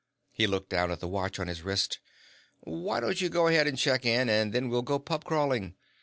He looked at the watch on his wrist. "Why don't you go ahead and check in, and then we'll go pub crawling.